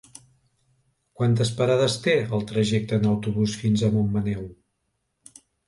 Quantes parades té el trajecte en autobús fins a Montmaneu?